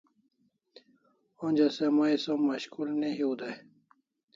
Onja se mai som mashkul ne hiu dai